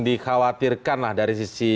dikhawatirkan dari sisi